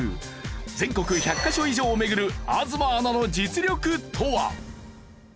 全国１００カ所以上を巡る東アナの実力とは？